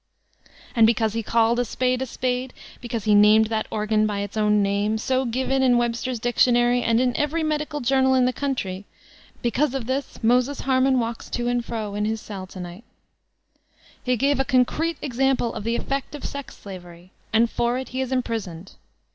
And because he called a spade a spade, because he named that organ by its own name, so given in Webster's dictionary and in every medical journal in the country, because of this Moses Harman walks to and fro in his cell to night He gave a concrete example of the effect of sex slavery, and for it he is inq>risoned.